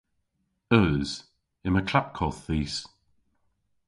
Eus. Yma klapkodh dhis.